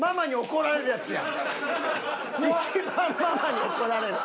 怒られるやつよ。